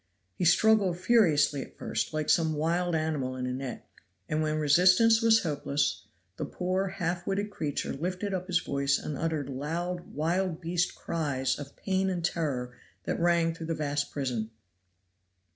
He struggled furiously at first, like some wild animal in a net; and when resistance was hopeless the poor, half witted creature lifted up his voice and uttered loud, wild beast cries of pain and terror that rang through the vast prison.